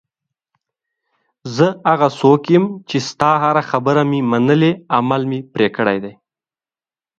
زه هغه څوک یم چې ستا هره خبره مې منلې، عمل مې پرې کړی.